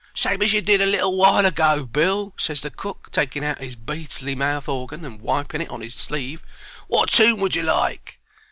"Same as you did a little while ago, Bill," ses the cook, taking out 'is beastly mouth orgin and wiping it on 'is sleeve. "Wot toon would you like?"